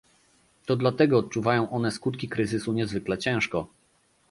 To dlatego odczuwają one skutki kryzysu niezwykle ciężko